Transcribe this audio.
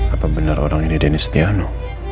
apa benar orang ini denis tiano